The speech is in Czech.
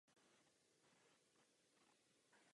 Šedý zadeček má na třetím článku zřetelnou tmavou pásku.